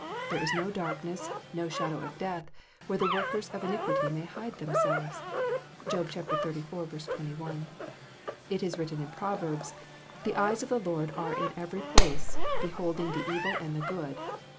There is no darkness, nor shadow of death, where the workers of iniquity may hide themselves." (Job xxxiv. 21.) It is written in Proverbs, " The eyes of the Lord are in every place, behold ing the evil and the good."